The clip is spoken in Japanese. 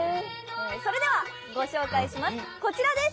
それではご紹介します。